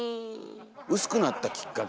薄くなったきっかけ。